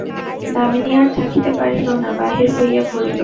দামিনী আর থাকিতে পারিল না, বাহির হইয়া পড়িল।